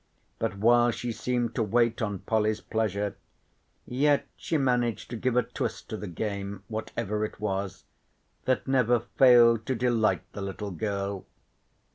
But while she seemed to wait on Polly's pleasure yet she managed to give a twist to the game, whatever it was, that never failed to delight the little girl.